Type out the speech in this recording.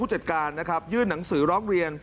โหวตวันที่๒๒